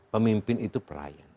pemimpin itu pelayan